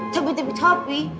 tapi tapi tapi